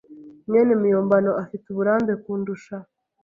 mwene muyombano afite uburambe kundusha.